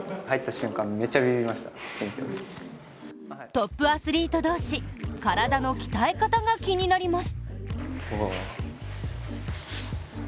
トップアスリート同士、体の鍛え方が気になります。